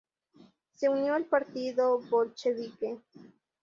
Se unió al Partido Bolchevique.